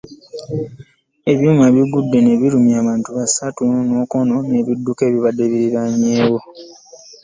Ebyuma bino bigudde ne birumya abantu basatu n'okwonoona ebidduka ebyabadde biriraanyeewo.